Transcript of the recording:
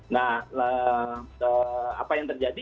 nah apa yang terjadi